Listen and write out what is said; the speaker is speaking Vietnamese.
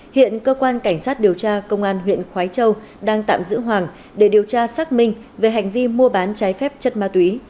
hiện cơ quan cảnh sát điều tra công an huyện khói châu đang tạm giữ hoàng để điều tra xác minh về hành vi mua bán trái phép chất ma túy